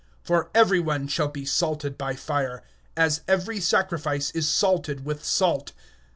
(49)For every one shall be salted with fire, and every sacrifice shall be salted with salt.